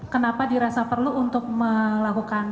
kenapa dirasa perlu untuk melakukan